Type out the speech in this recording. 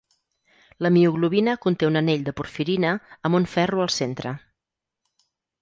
La mioglobina conté un anell de porfirina amb un ferro al centre.